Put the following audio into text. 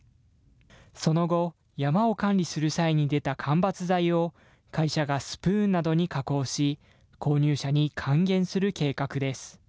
その後、山を管理する際に出た間伐材を会社がスプーンなどに加工し、購入者に還元する計画です。